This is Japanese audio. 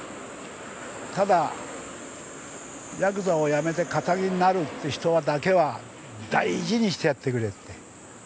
ただヤクザを辞めて堅気になるって人だけは大事にしてやってくれって。